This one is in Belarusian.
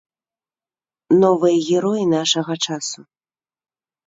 Новыя героі нашага часу.